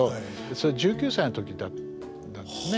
それ１９歳の時だったんですね。